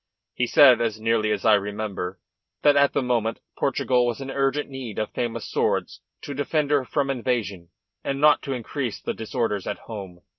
He said, as nearly as I remember, that at the moment Portugal was in urgent need of famous swords to defend her from invasion and not to increase the disorders at home."